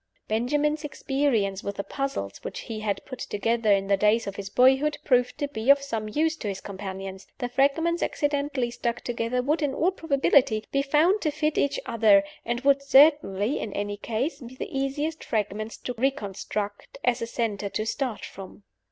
Benjamin's experience with the "Puzzles" which he had put together in the days of his boyhood proved to be of some use to his companions. The fragments accidentally stuck together would, in all probability, be found to fit each other, and would certainly (in any case) be the easiest fragments to reconstruct as a center to start from.